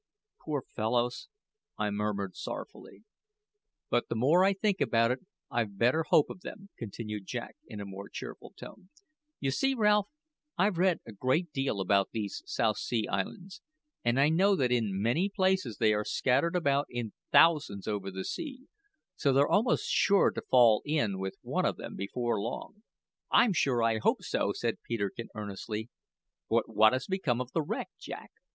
"Poor fellows!" I murmured sorrowfully. "But the more I think about it I've better hope of them," continued Jack in a more cheerful tone. "You see, Ralph, I've read a great deal about these South Sea Islands, and I know that in many places they are scattered about in thousands over the sea, so they're almost sure to fall in with one of them before long." "I'm sure I hope so," said Peterkin earnestly. "But what has become of the wreck, Jack?